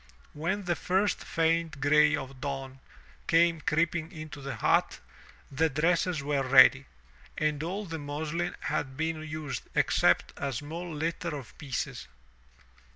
When the first faint gray of dawn came creeping into the hut, the dresses were ready, and all the muslin had been used except a small litter of pieces.